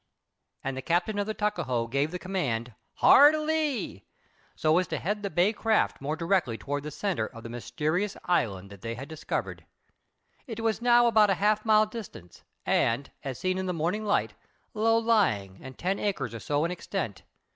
And the captain of the Tuckahoe gave the command "Hard lee!" so as to head the bay craft more directly toward the centre of the mysterious island that they had discovered. It was now about a half mile distant and, as seen in the morning light, low lying and ten acres or so in extent.